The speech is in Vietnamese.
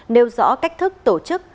nêu rõ cách thức tổ chức